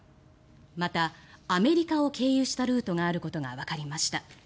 また、アメリカを経由したルートがあることがわかりました。